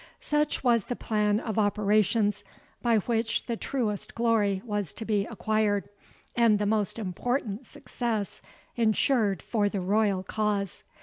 Such was the plan of operations by which the truest glory was to be acquired, and the most important success insured for the royal cause.